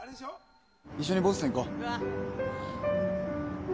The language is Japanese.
一緒にボストン行こう。